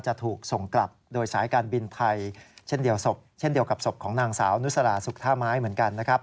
จะถูกส่งกลับโดยสายการบินไทยเช่นเดียวศพเช่นเดียวกับศพของนางสาวนุสราสุขท่าไม้เหมือนกันนะครับ